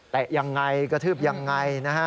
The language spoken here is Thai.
แตะยังไงกระทืบยังไง